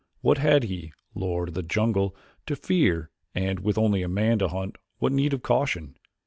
What had he, lord of the jungle, to fear and, with only man to hunt, what need of caution?